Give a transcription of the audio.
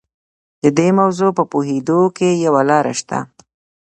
د دې موضوع په پوهېدو کې یوه لاره شته.